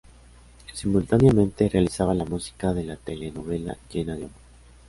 Simultáneamente realizaba la música de la telenovela "Llena de amor".